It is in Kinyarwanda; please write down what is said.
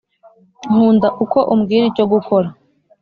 nkunda uko umbwira icyo gukora.